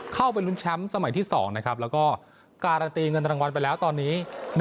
เข้าไปลุ้นแชมป์สมัยที่๒นะครับแล้วก็การันตีเงินรางวัลไปแล้วตอนนี้